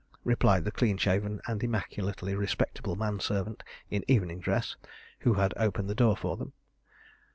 replied the clean shaven and immaculately respectable man servant, in evening dress, who had opened the door for them.